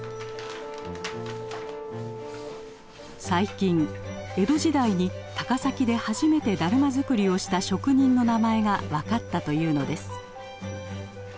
最近江戸時代に高崎で初めてだるま作りをした職人の名前が分かったというのです。